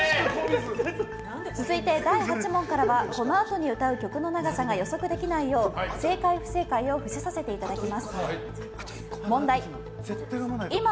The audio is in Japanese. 続いて第８問からはこのあとに歌う曲の長さが予測できないよう正解・不正解を伏せさせていただきます。